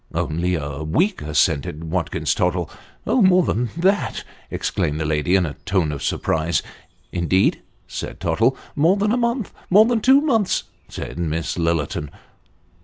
: Only a week," assented Watkins Tottlo. ' Oh ! more than that," exclaimed the lady, in a tone of surprise. : Indeed !" said Tottle. ' More than a month more than two months !" said Miss Lillerton.